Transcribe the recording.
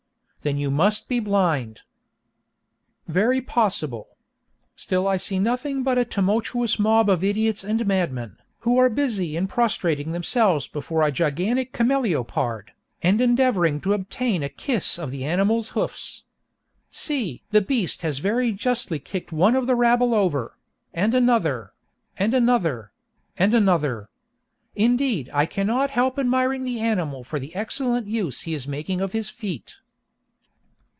Then you must be blind. "Very possible. Still I see nothing but a tumultuous mob of idiots and madmen, who are busy in prostrating themselves before a gigantic cameleopard, and endeavoring to obtain a kiss of the animal's hoofs. See! the beast has very justly kicked one of the rabble over—and another—and another—and another. Indeed, I cannot help admiring the animal for the excellent use he is making of his feet."